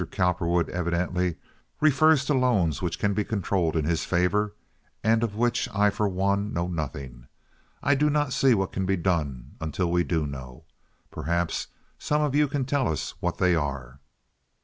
Cowperwood evidently refers to loans which can be controlled in his favor, and of which I for one know nothing. I do not see what can be done until we do know. Perhaps some of you can tell us what they are."